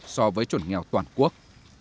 so với chuẩn nghèo toàn quốc